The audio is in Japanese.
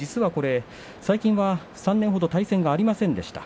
最近は３年ほど対戦がありませんでした。